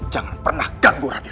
jangan berganggu lagi